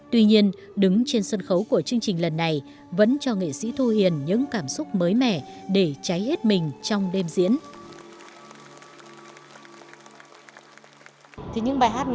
tuy nhiên đứng trên sân khấu của chương trình lần này vẫn cho nghệ sĩ thu hiền những cảm xúc mới mẻ để cháy hết mình trong đêm diễn